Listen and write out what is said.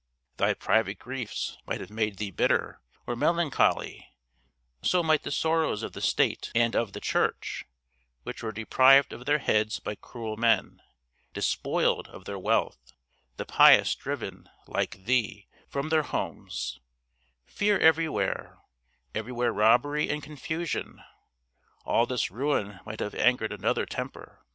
Thy private griefs might have made thee bitter, or melancholy, so might the sorrows of the State and of the Church, which were deprived of their heads by cruel men, despoiled of their wealth, the pious driven, like thee, from their homes; fear everywhere, everywhere robbery and confusion: all this ruin might have angered another temper.